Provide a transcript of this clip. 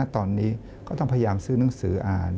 ตอนนี้ก็ต้องพยายามซื้อหนังสืออ่าน